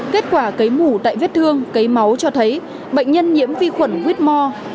kết quả cấy mủ tại vết thương cấy máu cho thấy bệnh nhân nhiễm vi khuẩn huyết mò